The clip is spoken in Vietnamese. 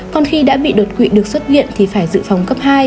còn khi đã bị đột quỵ được xuất hiện thì phải dự phóng cấp hai